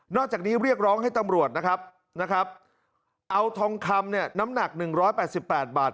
จากนี้เรียกร้องให้ตำรวจนะครับเอาทองคำเนี่ยน้ำหนัก๑๘๘บาท